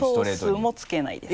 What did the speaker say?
ソースもつけないです。